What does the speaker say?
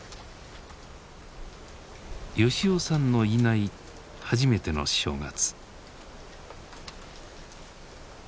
吉男さんのいない初めての正月。